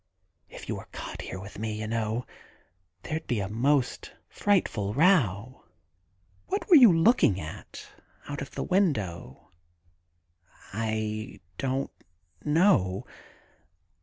If you were caught here with me, you know, there 'd be the most frightful row. ... What were you looking at out of the window ?'* I don't know.